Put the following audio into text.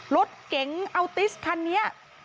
รถเก๋งอัลติสคันนี้